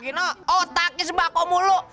gino otaknya sebako mulu